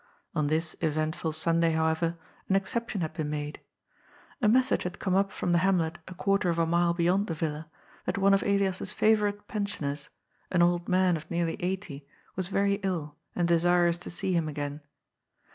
On this eventful Sunday, however, an exception had been made. A message had come up from the hamlet a quarter of a mile beyond the Villa that one of Elias's favourite pen sioners, an old man of nearly eighty, was very ill and de sirous to see him again.